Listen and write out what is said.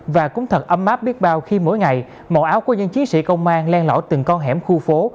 và cũng thật ấm áp biết bao khi mỗi ngày màu áo của những chiến sĩ công an len lỏ từng con hẻm khu phố